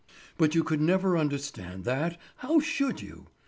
But you could never understand that; how should you!